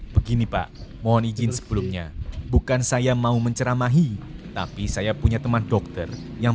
begini pak mohon izin sebelumnya bukan saya mau menceramahi tapi saya punya teman dokter yang